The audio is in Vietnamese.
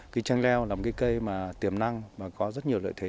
cây chanh leo là một cây tiềm năng và có rất nhiều lợi thế